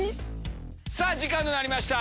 さぁ時間となりました。